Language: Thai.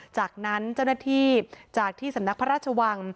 จากนั้นเจ้าหน้าที่จากที่สำนักพระราชวัง